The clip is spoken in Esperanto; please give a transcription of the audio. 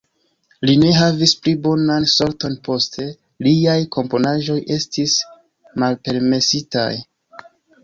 Li ne havis pli bonan sorton poste, liaj komponaĵoj estis malpermesitaj.